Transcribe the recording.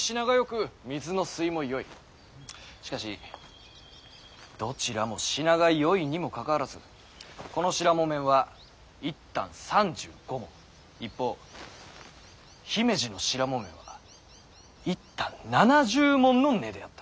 しかしどちらも品がよいにもかかわらずこの白木綿は１反３５文一方姫路の白木綿は１反７０文の値であった。